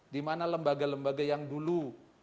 di mana lembaga lembaga yang dulu